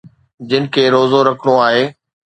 جن کي روزو رکڻو آهي.